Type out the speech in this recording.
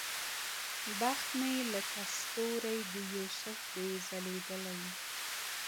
بخت مي لکه ستوری د یوسف دی ځلېدلی !.